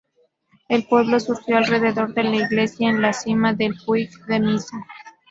El pueblo surgió alrededor de la iglesia en la cima del "puig" de Missa.